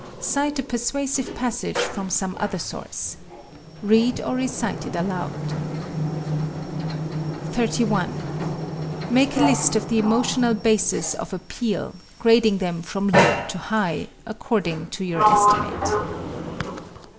Cite a persuasive passage from some other source. Read or recite it aloud. 31. Make a list of the emotional bases of appeal, grading them from low to high, according to your estimate.